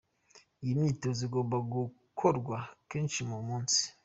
Iyi myitozo igomba gukorwa kenshi ku munsi.